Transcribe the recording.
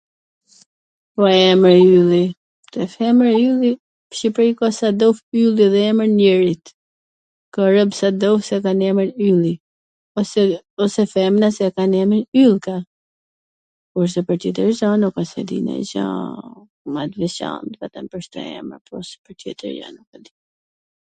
Po emri Ylli, tesh emwr Ylli n Shqipri ka sa t dush Ylli edhe emwr njeriut, ka rob sa t dush q e kan emrin Ylli, ose femna q e kan emnin Yllka, kurse pwr qytete veCana un s e di nonj gja ma t veCant, vetwm pwr kto emra...